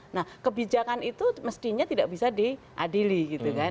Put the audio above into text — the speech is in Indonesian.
nah kebijakan itu mestinya tidak bisa diadili gitu kan